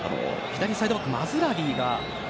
左サイドバックのマズラウィが。